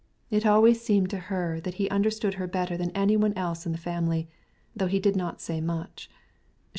It always seemed to her that he understood her better than anyone in the family, though he did not say much about her.